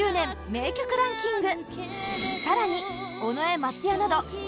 名曲ランキング